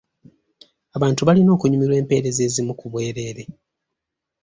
Abantu balina okunyumirwa empereza ezimu ku bwereere.